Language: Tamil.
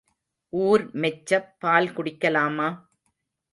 ஊர் மெச்சப் பால் குடிக்கலாமா?